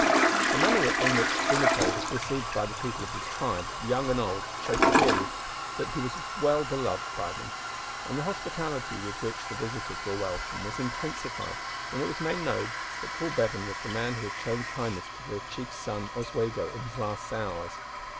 The manner in which Unaco was received by the people of his tribe, young and old, showed clearly that he was well beloved by them; and the hospitality with which the visitors were welcomed was intensified when it was made known that Paul Bevan was the man who had shown kindness to their chief's son Oswego in his last hours.